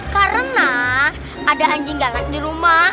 karena ada anjing galak di rumah